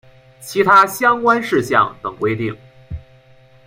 其他相关事项等规定